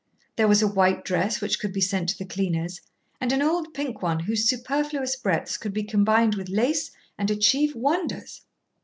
There was a white dress which could be sent to the cleaner's, and an old pink one whose superfluous breadths could be combined with lace and achieve wonders.